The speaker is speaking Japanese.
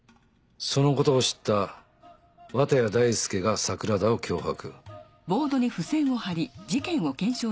そのことを知った綿谷大介が桜田を脅迫